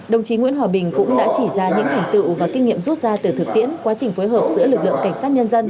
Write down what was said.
đồng chí nguyễn hòa bình cũng đã chỉ ra những thành tựu và kinh nghiệm rút ra từ thực tiễn quá trình phối hợp giữa lực lượng cảnh sát nhân dân